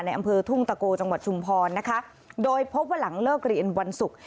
อำเภอทุ่งตะโกจังหวัดชุมพรนะคะโดยพบว่าหลังเลิกเรียนวันศุกร์